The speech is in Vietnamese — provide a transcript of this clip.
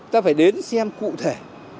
ta phải đến xem cụ thể